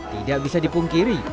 tidak bisa dipungkiri